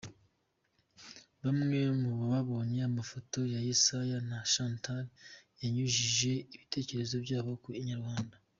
Bamwe mu babonye amafoto ya Yesaya na Chantal banyujije ibitekerezo byabo ku Inyarwanda.